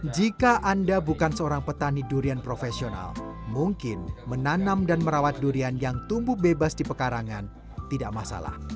jika anda bukan seorang petani durian profesional mungkin menanam dan merawat durian yang tumbuh bebas di pekarangan tidak masalah